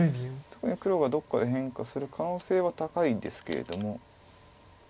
特に黒がどっかで変化する可能性は高いですけれども。